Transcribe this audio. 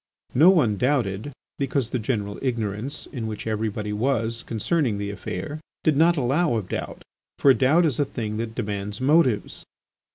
No one doubted because the general ignorance in which everybody was concerning the affair did not allow of doubt, for doubt is a thing that demands motives.